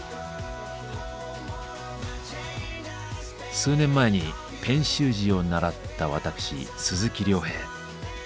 数年前にペン習字を習った私鈴木亮平。